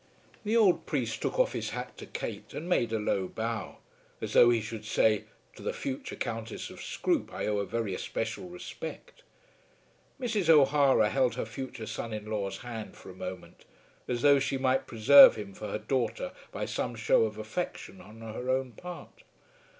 The old priest took off his hat to Kate, and made a low bow, as though he should say, to the future Countess of Scroope I owe a very especial respect. Mrs. O'Hara held her future son in law's hand for a moment, as though she might preserve him for her daughter by some show of affection on her own part.